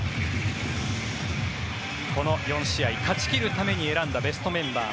この４試合勝ち切るために選んだベストメンバー。